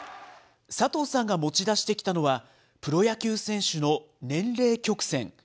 佐藤さんが持ち出してきたのは、プロ野球選手の年齢曲線。